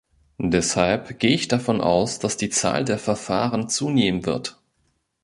Deshalb gehe ich davon aus, dass die Zahl der Verfahren zunehmen wird.